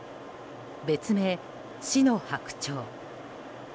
別名、死の白鳥。